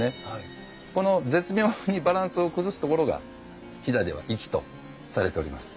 この絶妙にバランスを崩すところが飛騨では粋とされております。